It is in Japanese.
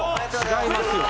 違いますよ。